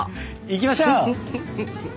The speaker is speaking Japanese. いきましょう！